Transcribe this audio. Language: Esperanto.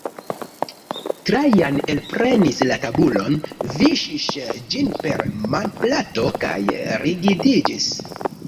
Trajan elprenis la tabulon, viŝis ĝin per manplato kaj rigidiĝis.